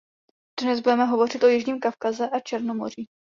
Dnes budeme hovořit o Jižním Kavkaze a Černomoří.